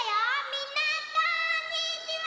みんなこんにちは！